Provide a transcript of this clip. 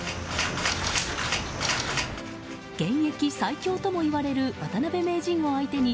現役最強ともいわれる渡辺名人を相手に